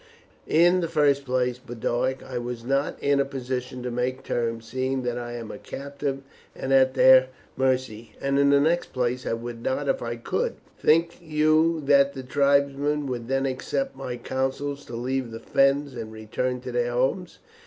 "In the first place, Boduoc, I was not in a position to make terms, seeing that I am a captive and at their mercy; and in the next place, I would not if I could. Think you that the tribesmen would then accept my counsels to leave the Fens and return to their homes?